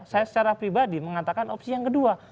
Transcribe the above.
saya secara pribadi mengatakan opsi yang kedua